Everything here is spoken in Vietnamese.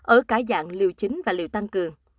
ở cả dạng liều chính và liều tăng cường